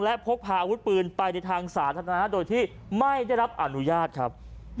และพกพาอาวุธปืนไปในทางสาธารณะโดยที่ไม่ได้รับอนุญาตครับ